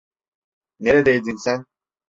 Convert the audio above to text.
Neredeydin sen?